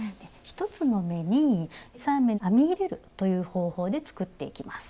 １つの目に３目編み入れるという方法で作っていきます。